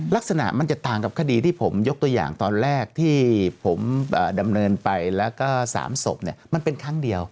ลักษณะมันจะต่างกับคดีที่ผมยกตัวอย่างตอนแรกที่ผมดำเนินไปแล้วก็๓ศพมันเป็นครั้งเดียว